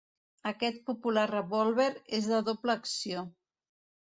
Aquest popular revòlver és de doble acció.